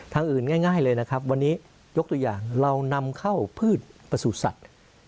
ทางอื่นง่ายเลยนะครับวันนี้ยกตัวอย่างเรานำเข้าพืชประสูจน์สัตว์